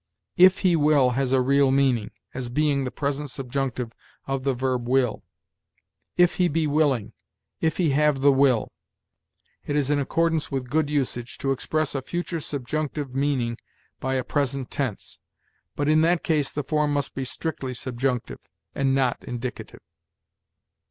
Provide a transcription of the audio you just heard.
'If he will' has a real meaning, as being the present subjunctive of the verb 'will': 'if he be willing,' 'if he have the will.' It is in accordance with good usage to express a future subjunctive meaning by a present tense; but in that case the form must be strictly subjunctive, and not indicative.